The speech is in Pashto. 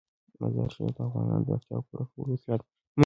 مزارشریف د افغانانو د اړتیاوو د پوره کولو وسیله ده.